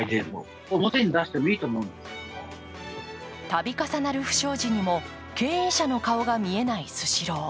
度重なる不祥事にも経営者の顔が見えないスシロー。